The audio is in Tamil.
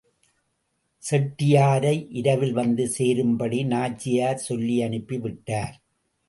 செட்டியாரை இரவில் வந்து சேரும்படி நாச்சியார் சொல்லியனுப்பி விட்டார்.